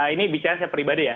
ini bicara saya pribadi ya